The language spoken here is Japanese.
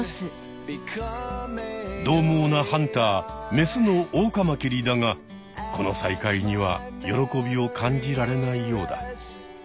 どうもうなハンターメスのオオカマキリだがこの再会には喜びを感じられないようだ。